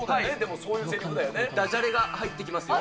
そういう接ダジャレが入ってきますよ。